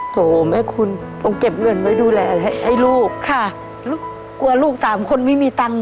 โหแม่คุณต้องเก็บเงินไว้ดูแลให้ลูกค่ะลูกกลัวลูกสามคนไม่มีตังค์